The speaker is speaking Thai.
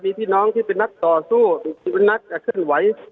มีพี่น้องที่เป็นนักต่อสู้ที่เป็นนักเคลื่อนไหว